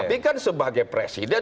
tapi kan sebagai presiden